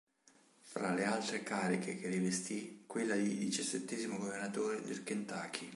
Fra le altre cariche che rivestì quella di diciassettesimo governatore del Kentucky.